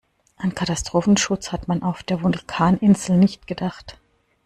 An Katastrophenschutz hat man auf der Vulkaninsel nicht gedacht.